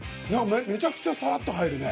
めちゃくちゃサラッと入るね。